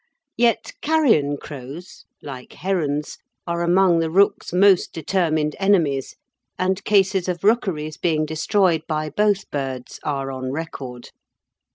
Yet carrion crows, like herons, are among the rook's most determined enemies, and cases of rookeries being destroyed by both birds are on record.